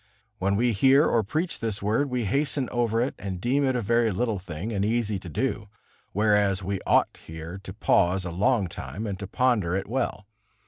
When we hear or preach this word, we hasten over it and deem it a very little thing and easy to do, whereas we ought here to pause a long time and to ponder it well.